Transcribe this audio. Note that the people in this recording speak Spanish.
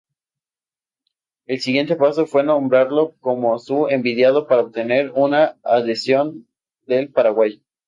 El siguiente paso fue nombrarlo como su enviado para obtener la adhesión del Paraguay.